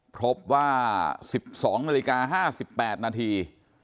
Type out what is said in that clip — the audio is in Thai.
พบว่า๑๒นาฬิกา๕๘นาที